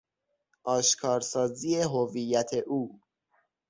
آشکارسازی هویت او